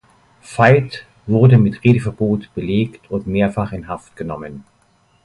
Veidt wurde mit Redeverbot belegt und mehrfach in Haft genommen.